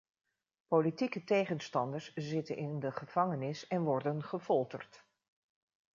Politieke tegenstanders zitten in de gevangenis en worden gefolterd.